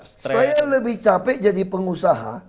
saya lebih capek jadi pengusaha